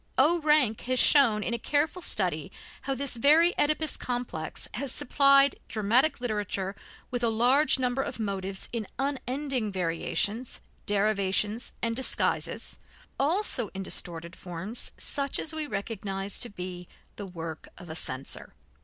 O. Rank has shown in a careful study how this very Oedipus complex has supplied dramatic literature with a large number of motives in unending variations, derivations and disguises, also in distorted forms such as we recognize to be the work of a censor.